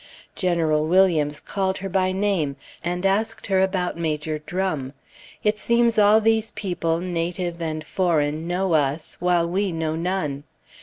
General Williams called her by name, and asked her about Major Drum. It seems all these people, native and foreign, know us, while we know none.